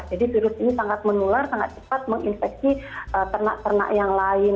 jadi virus ini sangat menular sangat cepat menginfeksi ternak ternak yang lain